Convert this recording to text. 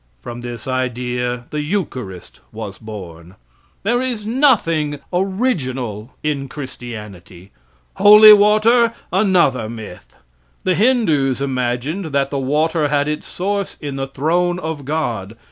From this idea the eucharist was born. There is nothing original in christianity. Holy water! Another myth. The Hindoos imagined that the water had its source in the throne of God.